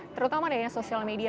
terutama ada yang social media